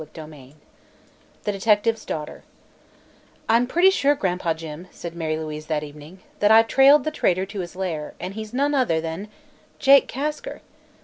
CHAPTER VIII THE DETECTIVE'S DAUGHTER "I'm pretty sure, Gran'pa Jim," said Mary Louise that evening, "that I've trailed the traitor to his lair, and he's none other than Jake Kasker!"